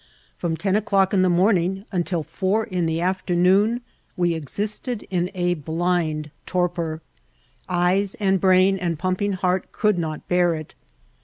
From ten o'clock in the morning until four in the afternoon we existed in a blind tor por. Eyes and brain and pumping heart could not bear it.